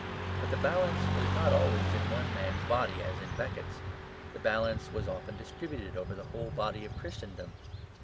But the balance was not always in one man's body as in Becket's; the balance was often distributed over the whole body of Christendom.